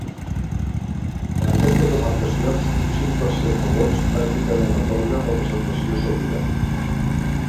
En aquestes demarcacions, un cinc per cent de vots pràcticament atorga representació segura.